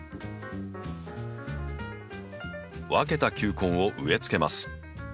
分けた球根を植えつけます。